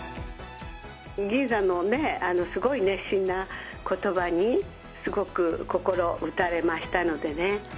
吟さんのね、すごい熱心なことばに、すごく心打たれましたのでね。